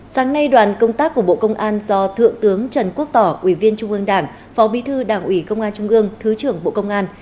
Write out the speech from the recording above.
sáng nay đoàn công tác của bộ công an do thượng tướng trần quốc tỏ ủy viên trung ương đảng phó bí thư đảng ủy công an trung ương thứ trưởng bộ công an